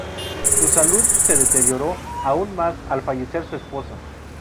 Su salud se deterioró aún más al fallecer su esposa.